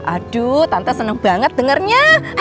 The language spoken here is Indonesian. aduh tante seneng banget dengernya